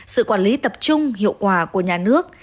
sự quản lý tập trung hiệu quả của nhà nước